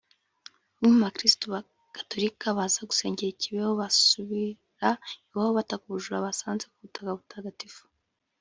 Bamwe mu bakiristu gatolika baza gusengera i Kibeho basubira iwabo bataka ubujura basanze ku butaka butagatifu